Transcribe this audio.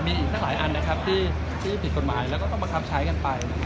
มีอีกตั้งหลายอันนะครับที่ผิดกฎหมายแล้วก็ต้องประคับใช้กันไป